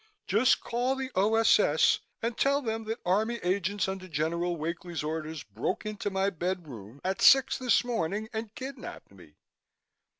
Just call the O.S.S. and tell them that Army agents under General Wakely's orders broke into my bedroom at six this morning and kidnapped me."